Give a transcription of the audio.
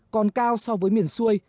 còn cao so với miền xuôi